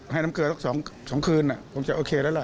น้ำเกลือสัก๒คืนผมจะโอเคแล้วล่ะ